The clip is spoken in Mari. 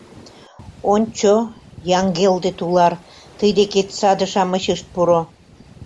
Ончо, Яҥгелде тулар, тый декет саде-шамыч ышт пуро?